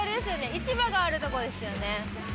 市場があるとこですよね。